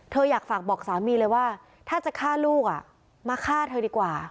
อยากฝากบอกสามีเลยว่าถ้าจะฆ่าลูกมาฆ่าเธอดีกว่า